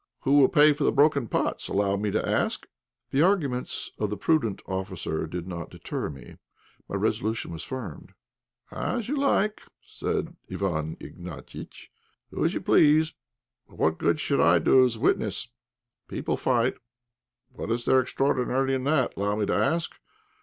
Who will pay for the broken pots, allow me to ask?" The arguments of the prudent officer did not deter me. My resolution remained firm. "As you like," said Iwán Ignatiitch, "do as you please; but what good should I do as witness? People fight; what is there extraordinary in that, allow me to ask?